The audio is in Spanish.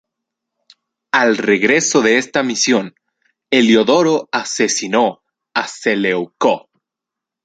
Al regreso de esta misión, Heliodoro asesinó a Seleuco.